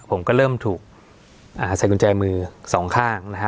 ผมก็เริ่มถูกใส่กุญแจมือสองข้างนะฮะ